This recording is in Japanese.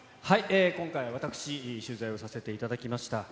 今回、私、取材をさせていただきました。